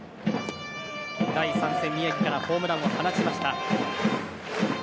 第３戦、宮城からホームランを放ちました。